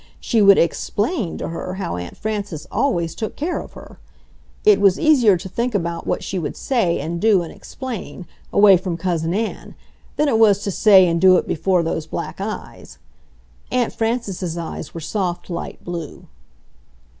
She would EXPLAIN to her how Aunt Frances always took care of her! ... it was easier to think about what she would say and do and explain, away from Cousin Ann, than it was to say and do it before those black eyes. Aunt Frances's eyes were soft, light blue.